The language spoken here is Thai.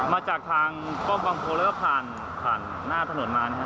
มาจากทางกล้องกลางโพลเลอร์ผ่านหน้าถนนมา